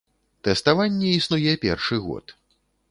Тэставанне існуе першы год.